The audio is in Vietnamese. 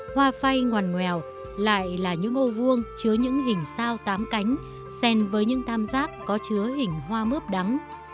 hoa phay ngoằn nguèo lại là những ô vuông chứa những hình sao tám cánh sen với những tam giác có chứa hình hoa mướp đắng